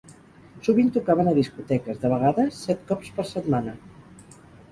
Sovint tocaven a discoteques, de vegades set cops per setmana.